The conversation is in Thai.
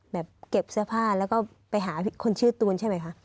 แบบเก็บเสื้อผ้าแล้วก็ไปหาคนชื่อตูนใช่ไหมคะ